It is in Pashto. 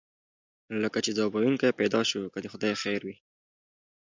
لکه چې ځواب ویونکی پیدا شو، که د خدای خیر وي.